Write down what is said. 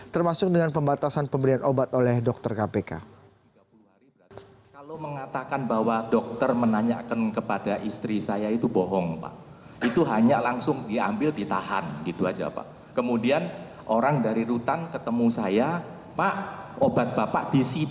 termasuk dengan pembatasan pemberian obat oleh dokter kpk